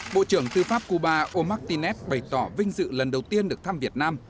bộ trưởng tư pháp cuba omar tinet bày tỏ vinh dự lần đầu tiên được thăm việt nam